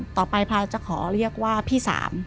ต่อไปพาจะขอเรียกว่าพี่๓